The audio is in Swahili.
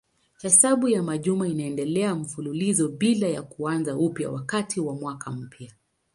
Hesabu ya majuma inaendelea mfululizo bila ya kuanza upya wakati wa mwaka mpya.